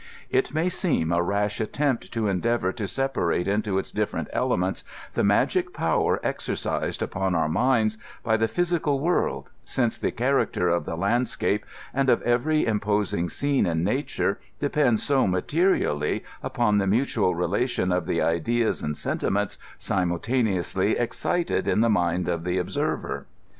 It may seem a rash attempt to endeavor to separate, into its diflerent elements, the magic power exercised upon our minds by the physical world, since the character of the land scape, and of every imposing scene in nature, depends so ma terially upon the mutual relation of the ideas and sentiments simultaneously excited in the mind of the observer.